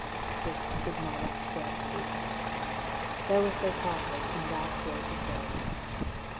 This is my last word to thee." Therewith they parted, and Ralph rode his ways.